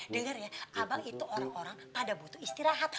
dengar ya abang itu orang orang ada butuh istirahat